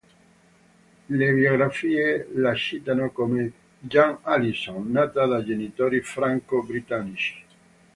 Le biografie la citano come "Jan Allyson", nata da genitori franco-britannici.